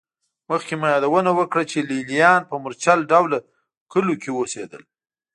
مخکې مو یادونه وکړه چې لېلیان په مورچل ډوله کلیو کې اوسېدل